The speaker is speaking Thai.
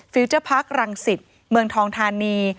ิวเจอร์พาร์ครังสิตเมืองทองธานี